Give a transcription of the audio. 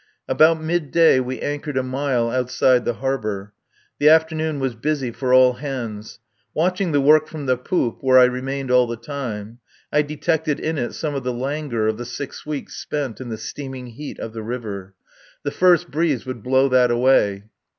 About midday we anchored a mile outside the bar. The afternoon was busy for all hands. Watching the work from the poop, where I remained all the time, I detected in it some of the languor of the six weeks spent in the steaming heat of the river. The first breeze would blow that away.